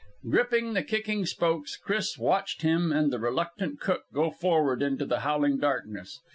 Gripping the kicking spokes, Chris watched him and the reluctant cook go forward into the howling darkness.